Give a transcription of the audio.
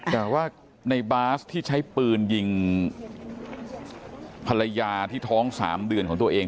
แต่ว่าในบาสที่ใช้ปืนยิงภรรยาที่ท้อง๓เดือนของตัวเอง